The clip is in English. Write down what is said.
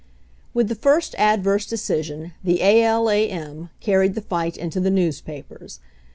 With the first adverse decision, the A. L. A. M. carried the fight into the newspapers.